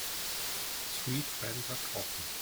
Three friends are talking